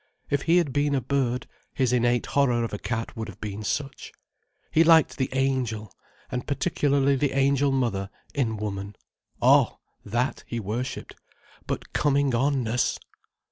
If he had been a bird, his innate horror of a cat would have been such. He liked the angel, and particularly the angel mother in woman. Oh!—that he worshipped. But coming on ness!